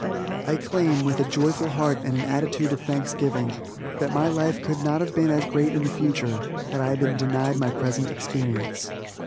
I claim, with a joyful heart and an attitude of thanksgiving, that my life could not have been as great in the future had I been denied my present experience.